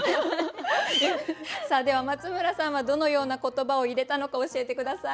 では松村さんはどのような言葉を入れたのか教えて下さい。